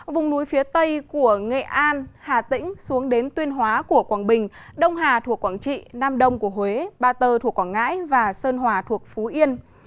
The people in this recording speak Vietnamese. vùng núi phía tây của nghệ an hà tĩnh xuống đến tuyên hóa của quảng bình đông hà thuộc quảng trị nam đông của huế ba tơ thuộc quảng ngãi và sơn hòa thuộc phú yên